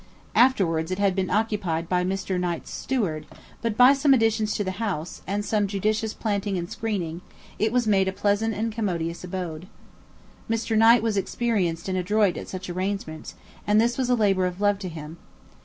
Afterwards it had been occupied by Mr. Knight's steward; but by some additions to the house, and some judicious planting and skreening, it was made a pleasant and commodious abode. Mr. Knight was experienced and adroit at such arrangements, and this was a labour of love to him.